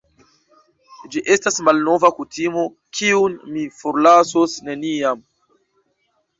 Ĝi estas malnova kutimo, kiun mi forlasos neniam.